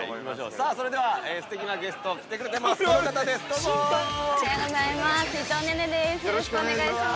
さあ、それではすてきなゲスト来てくれてます。